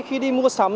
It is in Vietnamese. khi đi mua sắm